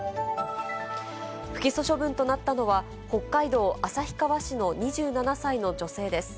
不起訴処分となったのは、北海道旭川市の２７歳の女性です。